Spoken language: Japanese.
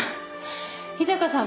日高さん